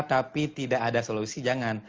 tapi tidak ada solusi jangan